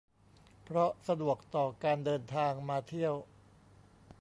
เพราะสะดวกต่อการเดินทางมาเที่ยว